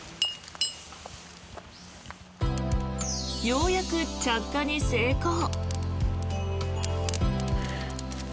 ようやく着火に成功。